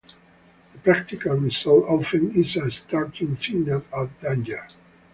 The practical result often is a starting signal at danger.